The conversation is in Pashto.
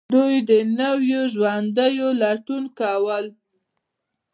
د نویو ژوندونو لټون کول